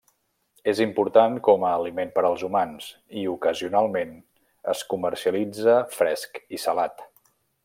És important com a aliment per als humans i, ocasionalment, es comercialitza fresc i salat.